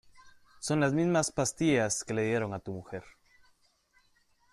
son las mismas pastillas que le dieron a tu mujer.